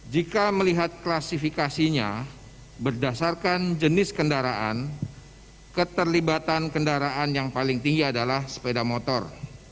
jika melihat klasifikasinya berdasarkan jenis kendaraan keterlibatan kendaraan yang paling tinggi adalah sepeda motor